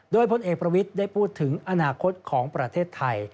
โดยพลเอกประวิทย์ได้พูดถึงอนาคตของประเทศไทย